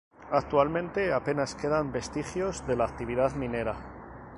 Actualmente apenas quedan vestigios de la actividad minera.